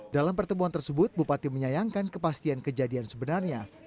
dalam pertemuan tersebut bupati menyayangkan kepastian kejadian sebenarnya